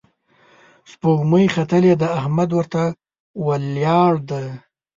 سپوږمۍ ختلې ده، احمد ورته ولياړ دی